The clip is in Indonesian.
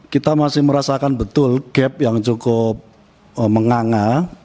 kita masih merasakan betul gap yang cukup menganga